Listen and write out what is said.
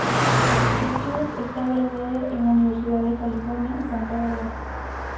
Schulz está graduado en la Universidad de California, Santa Barbara.